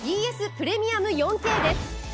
プレミアム４Ｋです。